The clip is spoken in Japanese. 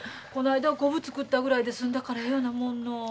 この間はコブ作ったぐらいで済んだからええようなものの。